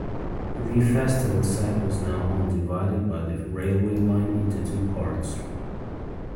The festival site was now on divided by the railway line into two parts.